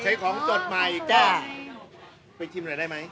ใช้ของจดใหม่ก็ไปชิมหน่อยได้ไหม